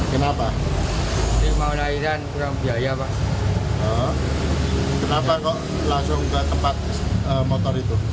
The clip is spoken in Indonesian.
kenapa kok langsung ke tempat motor itu